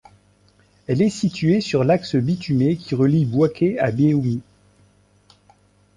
Elle est située sur l'axe bitumé qui relie Bouaké à Béoumi.